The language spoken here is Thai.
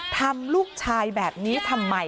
ทำลูกชายแบบนี้ทำไม